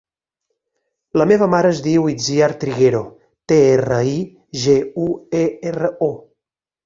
La meva mare es diu Itziar Triguero: te, erra, i, ge, u, e, erra, o.